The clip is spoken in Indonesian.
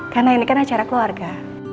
karena ini kan acara keluarga